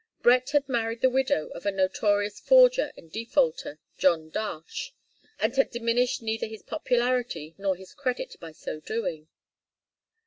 Brett had married the widow of the notorious forger and defaulter, John Darche, and had diminished neither his popularity nor his credit by so doing.